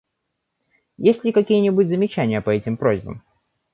Есть ли какие-нибудь замечания по этим просьбам?